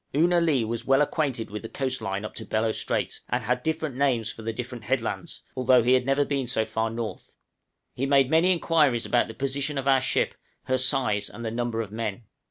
Oo na lee was well acquainted with the coast line up to Bellot Strait, and had names for the different headlands, although he had never been so far north; he made many inquiries about the position of our ship, her size, and the number of men.